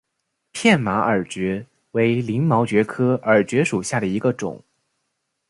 片马耳蕨为鳞毛蕨科耳蕨属下的一个种。